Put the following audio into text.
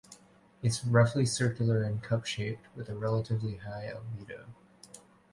It is roughly circular and cup-shaped, with a relatively high albedo.